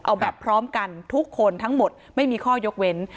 เอาแบบพร้อมกันทุกคนทั้งหมดไม่มีข้อยกเว้น